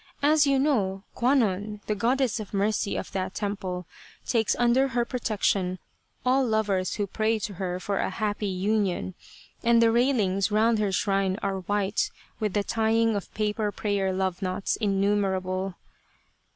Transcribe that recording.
As you know, Kwannon, the Goddess of Mercy of that temple, takes under her protection all lovers who pray to her for a happy union, and the railings round her shrine are white with the tying of paper prayer love knots innumerable.